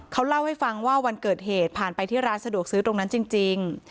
เขาเล่าให้ฟังว่าวันเกิดเหตุผ่านไปที่ร้านสะดวกซื้อตรงนั้นจริง